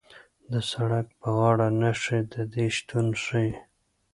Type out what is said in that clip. د سړک په غاړه نښې د دې شتون ښیي